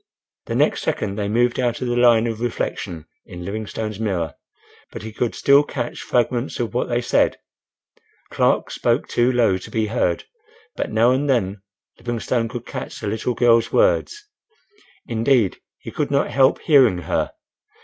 The next second they moved out of the line of reflection in Livingstone's mirror. But he could still catch fragments of what they said. Clark spoke too low to be heard; but now and then, Livingstone could catch the little girl's words. Indeed, he could not help hearing her.